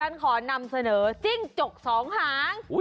ฉันขอนำเสนอจิ้งจกสองหาง